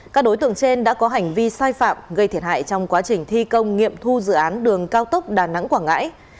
các đối tượng trên đã có hành vi sai phạm gây thiệt hại trong quá trình thi công nghiệm thu dự án đường cao tốc đà nẵng quảng ngãi